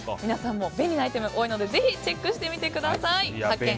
皆さんも、便利なアイテムが多いのでぜひチェックしてみてください。